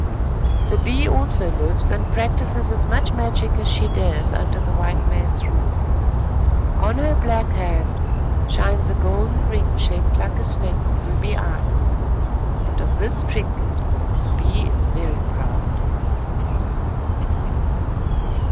The Bee also lives and practises as much magic as she dares under the white man's rule. On her black hand shines a golden ring shaped like a snake with ruby eyes, and of this trinket the Bee is very proud.